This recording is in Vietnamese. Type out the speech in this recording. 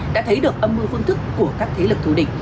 đã thấy được âm mưu phương thức của các thế lực thù địch